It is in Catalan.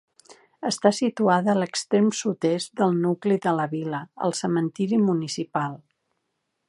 Està situada a l'extrem sud-est del nucli de la vila, al cementiri municipal.